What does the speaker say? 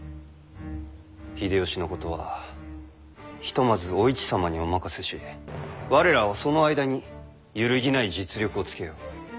秀吉のことはひとまずお市様にお任せし我らはその間に揺るぎない実力をつけよう。